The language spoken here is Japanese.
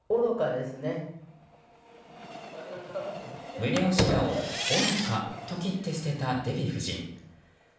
宗男氏らを愚かと切って捨てたデヴィ夫人。